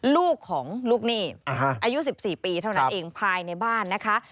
ลูกของลูกหนี้อายุ๑๔ปีเท่านั้นเองภายในบ้านนะคะ